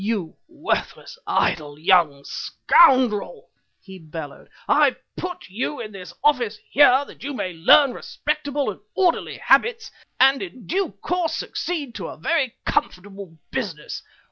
"You worthless, idle young scoundrel," he bellowed. "I put you in this office here that you may learn respectable and orderly habits and in due course succeed to a very comfortable business.